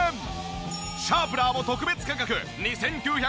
シャープナーも特別価格２９８０円。